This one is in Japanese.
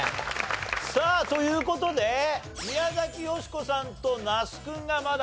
さあという事で宮崎美子さんと那須君がまだ。